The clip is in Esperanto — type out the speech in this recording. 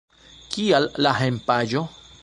Kial la hejmpaĝo?